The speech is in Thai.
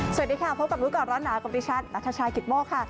สวัสดีค่ะพบกับรู้ก่อนร้อนหนาวกับดิฉันนัทชายกิตโมกค่ะ